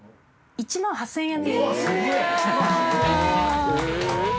１万８０００円。